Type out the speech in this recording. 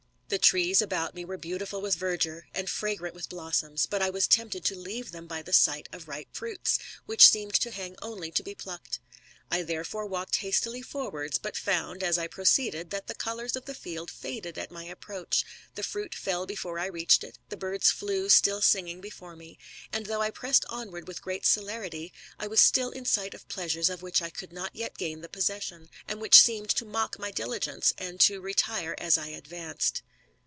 The trees about me were beautiful with verdure^ and fragrant with blossoms \ but I was tempted to leave them by the sight of ripe firuits, which seemed to hang only to be plucked. I therefore walked hastily forwards, but found, as I proceeded, that the colours of the field faded at my approach, the fruit fell before I reached it, the birds fiew still singing before me, and though I pressed onward with great celerity, I was still in sight of pleasures of which THE RAMBLER. X could not yet gain the possession, and which seemed to ■mock my diligence, and to retire as I advanced.